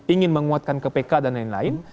ingin menguatkan kpk dan lain lain